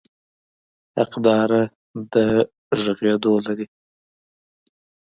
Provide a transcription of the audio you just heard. حقداره د غږېدو لري.